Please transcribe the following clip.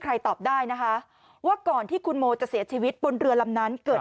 ตอบได้นะคะว่าก่อนที่คุณโมจะเสียชีวิตบนเรือลำนั้นเกิด